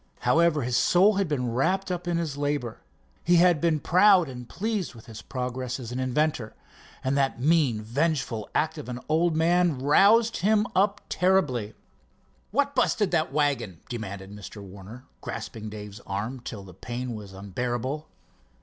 However, his soul had been wrapped up in his labor, he had been proud and pleased with his progress as an inventor, and that mean, vengeful act of the old man roused him up terribly. "What busted that wagon?" demanded Mr. Warner, grasping Dave's arm till the pain was unbearable.